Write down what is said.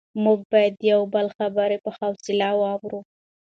موږ باید د یو بل خبرې په حوصله واورو